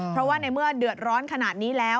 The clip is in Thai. เพราะว่าในเมื่อเดือดร้อนขนาดนี้แล้ว